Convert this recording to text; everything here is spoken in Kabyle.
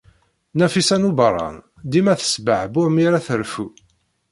Nafisa n Ubeṛṛan dima tesbeɛbuɛ mi ara terfu.